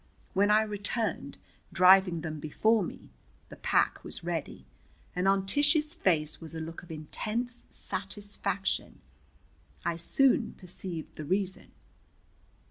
When I returned, driving them before me, the pack was ready, and on Tish's face was a look of intense satisfaction. I soon perceived the reason.